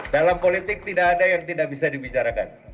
dalam politik tidak ada yang tidak bisa dibicarakan